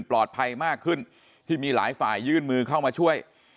ปลอดภัยมากขึ้นที่มีหลายฝ่ายยื่นมือเข้ามาช่วย